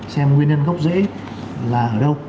xem nguyên nhân gốc rễ là ở đâu